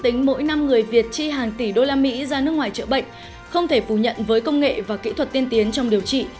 tức tính mỗi năm người việt chi hàng tỷ usd ra nước ngoài chữa bệnh không thể phủ nhận với công nghệ và kỹ thuật tiên tiến trong điều trị